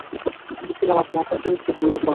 ভেবেছিলাম আপনি আসার পর একটু পরিবর্তন আসবে।